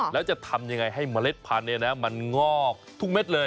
แล้วจะทำยังไงให้เมล็ดพันธุ์มันงอกทุกเม็ดเลย